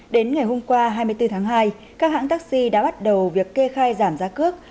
đến ngày hôm qua hai mươi bốn tháng hai các hãng taxi đã bắt đầu việc kê khai giảm giá cước